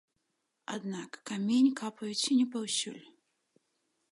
Аднак камень капаюць не паўсюль.